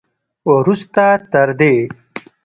وروسته تر دې